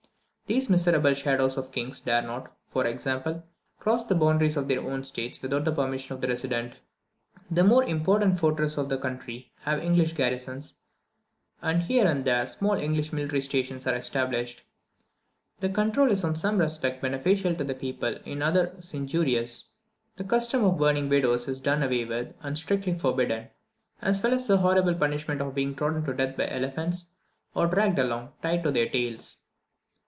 These miserable shadows of kings dare not, for example, cross the boundaries of their own states without permission of the resident. The more important fortresses of the country have English garrisons, and here and there small English military stations are established. This control is in some respects beneficial to the people, in others injurious. The custom of burning widows is done away with, and strictly forbidden; as well as the horrible punishment of being trodden to death by elephants, or dragged along, tied to their tails.